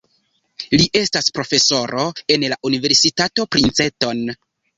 Li estas profesoro en la Universitato Princeton.